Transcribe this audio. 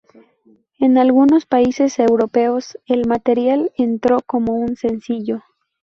En algunos países europeos, el material entró como un sencillo.